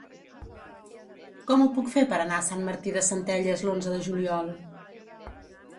Com ho puc fer per anar a Sant Martí de Centelles l'onze de juliol?